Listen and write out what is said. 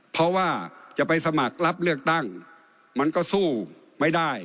เพราะว่าจะไปสมัครรับเลือกตั้งมันก็สู้ไม่ได้